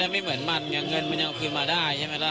เงินมันคือมาได้แม่ละคนมันสูญเสียไปแล้วก็กลับมายัดไม่ได้แล้ว